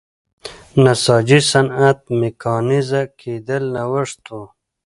نساجۍ صنعت میکانیزه کېدل نوښت و.